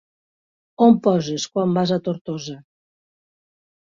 On poses, quan vas a Tortosa?